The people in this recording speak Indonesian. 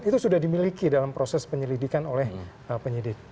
itu sudah dimiliki dalam proses penyelidikan oleh penyidik